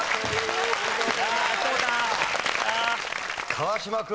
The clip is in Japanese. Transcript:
川島君。